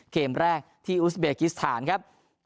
เกมแรกที่อุสเบกิสถานครับ